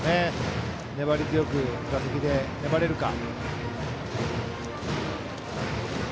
粘り強く打席で粘れるか。